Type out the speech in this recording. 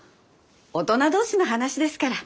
大人同士の話ですから。